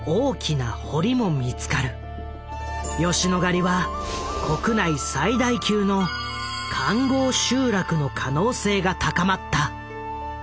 吉野ヶ里は国内最大級の環濠集落の可能性が高まった。